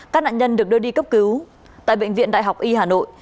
các nạn nhân được đưa đi cấp cứu tại bệnh viện đại học y hà nội